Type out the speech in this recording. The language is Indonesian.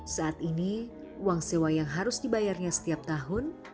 saat ini uang sewa yang harus dibayarnya setiap tahun